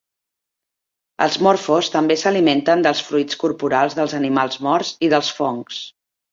Els morfos també s'alimenten dels fluids corporals dels animals morts i dels fongs.